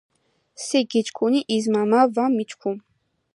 სი გიჩქუნი იზმა მა ვა მიჩქუ.